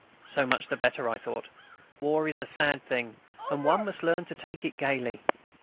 So much the better, I thought. War is a sad thing, and one must learn to take it gaily.